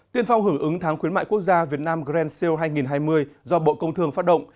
tiên phong hưởng ứng tháng khuyến mại quốc gia việt nam grand sale hai nghìn hai mươi do bộ công thương phát động